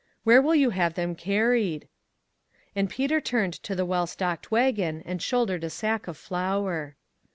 "Where will you have them carried?" And Peter turned to the well stocked wagon and shouldered a sack of flour.